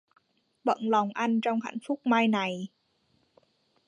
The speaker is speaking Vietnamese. Bận lòng Anh trong hạnh phúc mai này.